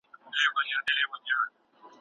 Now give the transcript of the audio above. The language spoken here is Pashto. د څېړني لاري باید ولټول سي.